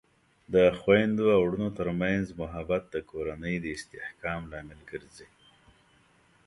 د خویندو او ورونو ترمنځ محبت د کورنۍ د استحکام لامل ګرځي.